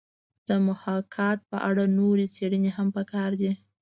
د محاکات په اړه نورې څېړنې هم پکار دي